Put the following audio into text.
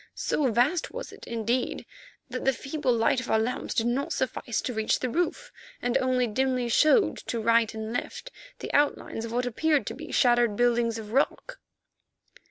So vast was it, indeed, that the feeble light of our lamps did not suffice to reach the roof, and only dimly showed to right and left the outlines of what appeared to be shattered buildings of rock.